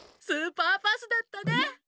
スーパーパスだったね！